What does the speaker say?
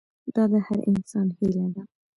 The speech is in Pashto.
دا د هر انسان هیله ده.